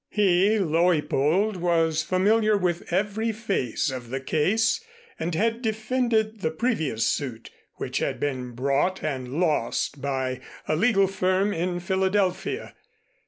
He, Leuppold, was familiar with every phase of the case and had defended the previous suit which had been brought and lost by a legal firm in Philadelphia.